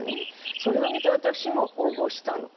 それを見てわたくしも応募したの。